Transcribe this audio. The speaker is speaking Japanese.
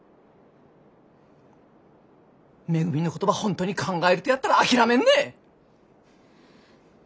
めぐみのことば本当に考えるとやったら諦めんね！